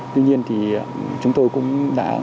tuy nhiên thì chúng tôi cũng đã